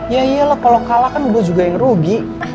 ya iyalah kalo kalah kan gue juga yang rugi